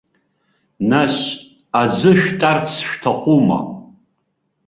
Нас, аӡы шәтарц шәҭахума?